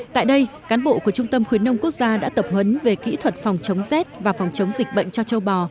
tại đây cán bộ của trung tâm khuyến nông quốc gia đã tập huấn về kỹ thuật phòng chống rét và phòng chống dịch bệnh cho châu bò